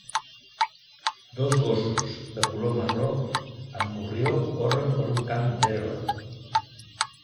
Dos gossos de color marró amb morrió corren per un camp d'herba.